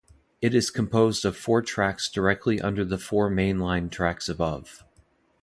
It is composed of four tracks directly under the four main line tracks above.